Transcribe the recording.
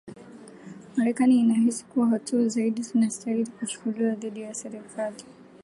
marekani inahisi kuwa hatua zaidi zinastahili kuchukuliwa dhidi ya serikali